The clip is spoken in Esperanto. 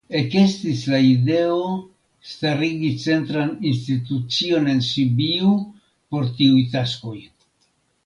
Ekestis la ideo starigi centran institucion en Sibiu por tiuj taskoj.